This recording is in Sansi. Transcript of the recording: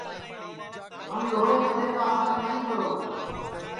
تھم لھوڑے ٻڈؔے کا آدر نائیں کرو